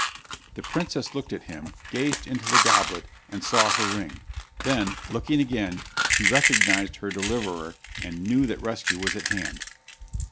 The princess looked at him, gazed into the goblet, and saw her ring; then, looking again, she recognized her deliverer and knew that rescue was at hand.